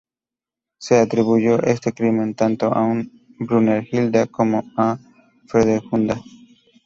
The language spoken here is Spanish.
Se atribuyó este crimen tanto a Brunegilda como a Fredegunda.